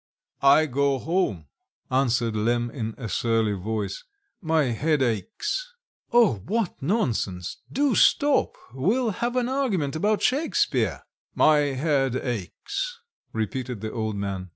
"I go home," answered Lemm in a surly voice; "my head aches." "Oh, what nonsense! do stop. We'll have an argument about Shakespeare." "My head aches," repeated the old man.